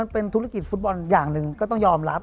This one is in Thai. เป็นธุรกิจฟุตบอลอย่างหนึ่งก็ต้องยอมรับ